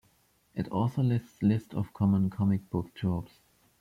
It also lists list of common comic book tropes.